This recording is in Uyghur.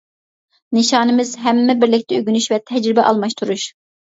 نىشانىمىز: ھەممە بىرلىكتە ئۆگىنىش ۋە تەجرىبە ئالماشتۇرۇش.